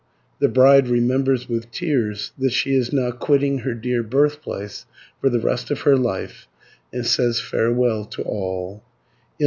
The bride remembers with tears that she is now quitting her dear birthplace for the rest of her life, and says farewell to all (297 462).